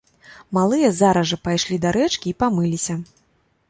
Малыя зараз жа пайшлі да рэчкі і памыліся.